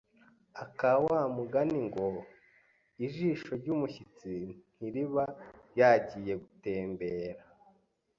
aka wa mugani ngo “ijisho ry’umushyitsi ntiriba ryagiye gutembera..